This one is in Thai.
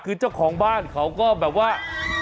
คือเจ้าของบ้านเขาก็แบบว่า